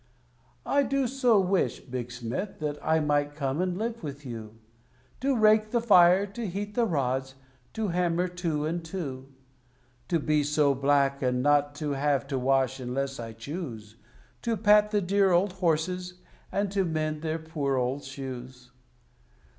I do so wish, Big Smith, that I might come and live with you; To rake the fire, to heat the rods, to hammer two and two. To be so black, and not to have to wash unless I choose; To pat the dear old horses, and to mend their poor old shoes.